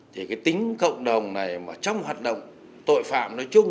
thì cái tính cộng đồng này mà trong hoạt động tội phạm nói chung